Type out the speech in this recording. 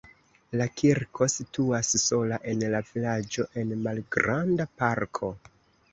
La kirko situas sola en la vilaĝo en malgranda parko.